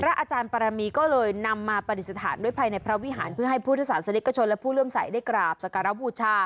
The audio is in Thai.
อาจารย์ปรมีก็เลยนำมาปฏิสถานด้วยภายในพระวิหารเพื่อให้พุทธศาสนิกชนและผู้เริ่มใสได้กราบสการบูชา